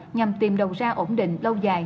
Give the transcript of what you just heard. nhằm tìm đồng ra ổn định lâu dài